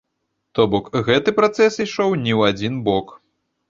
То бок гэты працэс ішоў не ў адзін бок.